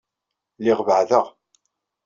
Lliɣ beɛdeɣ.